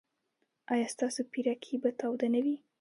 ایا ستاسو پیرکي به تاوده نه وي؟